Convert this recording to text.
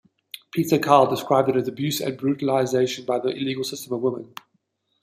Peter Kyle described it as "abuse and brutalisation" by the legal system of women.